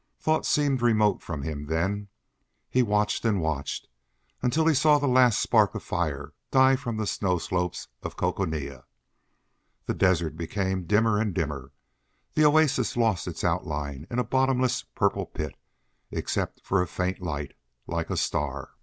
Thought seemed remote from him then; he watched, and watched, until he saw the last spark of fire die from the snow slopes of Coconina. The desert became dimmer and dimmer; the oasis lost its outline in a bottomless purple pit, except for a faint light, like a star.